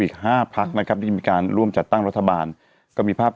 อีก๕พักนะครับที่มีการร่วมจัดตั้งรัฐบาลก็มีภาพ